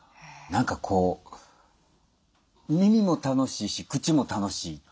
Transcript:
何かこう耳も楽しいし口も楽しい。